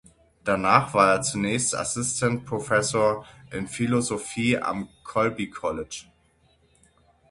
Danach war er zunächst Assistant Professor in Philosophie am Colby College.